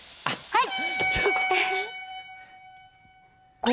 はい。